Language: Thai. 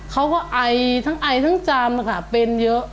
เขาก็ไอทั้งไอทั้งจำค่ะเป็นเยอะ